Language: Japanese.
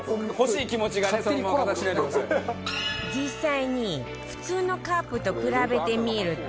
実際に普通のカップと比べてみると